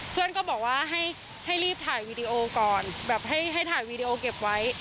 เพื่อนก็บอกว่าให้รีบถ่ายวีดีโอก่อนแบบให้ถ่ายวีดีโอเก็บไว้